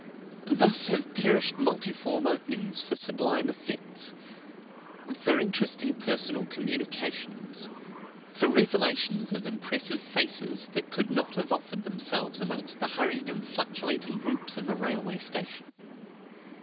Thus have perished multiform openings for sublime effects, for interesting personal communications, for revelations of impressive faces that could not have offered themselves amongst the hurried and fluctuating groups of a railway station.